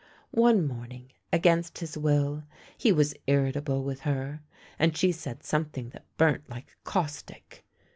One morning against his will he was irritable with her, and she said something that burnt like caustic.